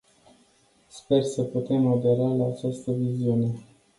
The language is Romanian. Sper să putem adera la această viziune.